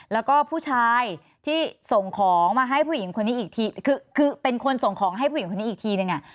แล้วก็ผู้ชายที่ส่งของมาให้ผู้หญิงคนนี้อีกที